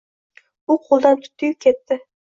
U qo‘ldan tutdi-yu ketdi.